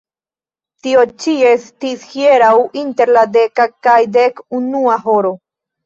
Tio ĉi estis hieraŭ inter la deka kaj dek unua horo.